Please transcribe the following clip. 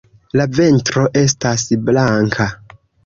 La ventro estas blanka.